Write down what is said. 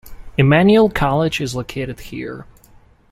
Emmanuel College is located here.